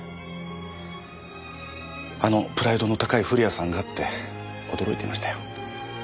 あのプライドの高い古谷さんがって驚いてましたよ。